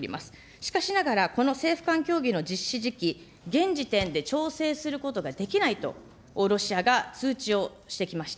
しかしながらこの政府間協議の実施時期、現時点で調整することができないとロシアが通知をしてきました。